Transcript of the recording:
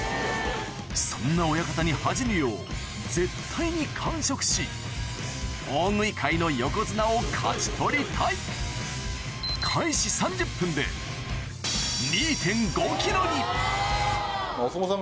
そんな親方に恥じぬよう絶対に完食し大食い界の横綱を勝ち取りたいすげぇ！